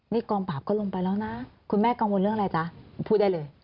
นี่กองปราบก็ลงไปแล้วนะคุณแม่กังวลเรื่องอะไรจ๊ะพูดได้เลย